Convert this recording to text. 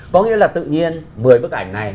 có nghĩa là tự nhiên một mươi bức ảnh này